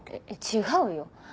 違うよ。